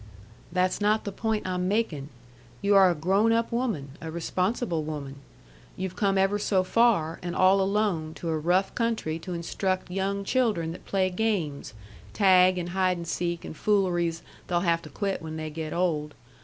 "That's not the point I'm makin'. You are a grown up woman, a responsible woman. You've come ever so far, and all alone, to a rough country to instruct young children that play games, tag, and hide and seek, and fooleries they'll have to quit when they get old.